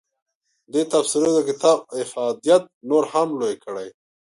دې تبصرو د کتاب افادیت نور هم لوی کړی.